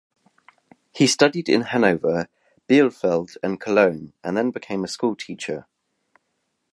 He studied in Hanover, Bielefeld and Cologne, and then became a schoolteacher.